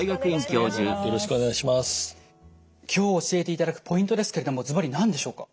今日教えていただくポイントですけれどもずばり何でしょうか？